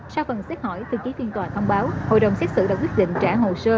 sau phần xét hỏi tư ký phiên tòa thông báo hội đồng xét xử đã quyết định trả hồ sơ